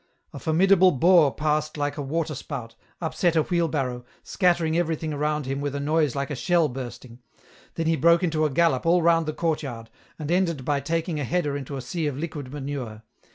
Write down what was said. A formidable boar passed like a waterspout, upset a wheelbarrow, scattering everything round him with a noise like a shell bursting ; then he broke into a gallop all round the courtyard, and ended by taking a header into a sea of liquid manure.